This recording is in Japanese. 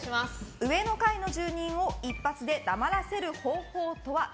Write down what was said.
上の階の住人を一発で黙らせる方法とは？